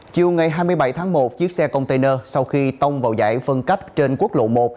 chiều ngày hai mươi bảy tháng một chiếc xe container sau khi tông vào giải phân cách trên quốc lộ một